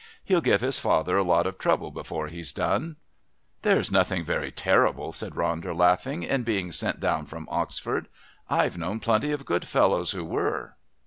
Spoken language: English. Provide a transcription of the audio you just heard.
He'll give his father a lot of trouble before he's done." "There's nothing very terrible," said Ronder, laughing, "in being sent down from Oxford. I've known plenty of good fellows who were."